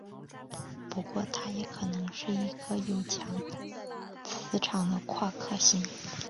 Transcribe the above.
不过它也可能是一颗有强磁场的夸克星。